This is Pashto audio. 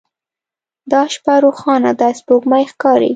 دا شپه روښانه ده سپوږمۍ ښکاري